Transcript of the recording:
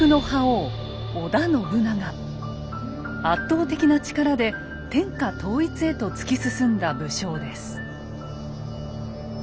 圧倒的な力で天下統一へと突き進んだ武将です。